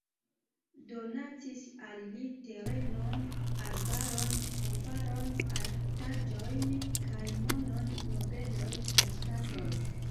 Donacis al ili terenon, arbaron, kamparon, artaĵojn kaj monon nobeloj kaj ŝtatoj.